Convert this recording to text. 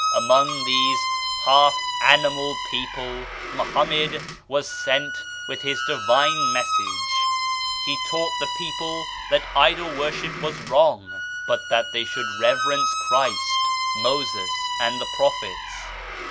Among these half animal people Mohammed was sent with his divine message. He taught the people that idol worship was wrong, but that they should rever ence Christ, Moses and the Prophets.